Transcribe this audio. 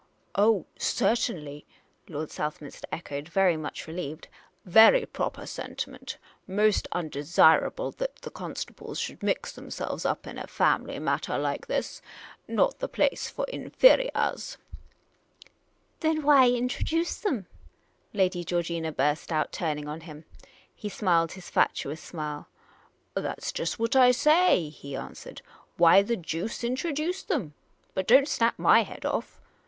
" Oh, certainly," Lord Southminster echoed, much re lieved. " Very propah sentiment! Most undCvSirable that the constables should mix themselves up in a family mattah like this. Not the place for inferiahs !" "well, this is a fair knock out," he ejaculated. " Then why introduce them ?" Lady Georgina burst out, turning on him. He smiled his fatuous smile. " That 's just what I say," he answered. '' Why the jooce introduce them ? But don't snap my head off